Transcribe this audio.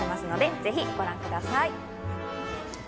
ぜひご覧ください。